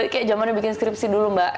kayak zamannya bikin skripsi dulu mbak